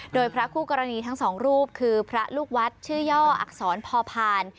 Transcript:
โดยพระคู่กรณีทั้งสองรูปคือพระลูกวัดชื่อย่ออักษรพอพาน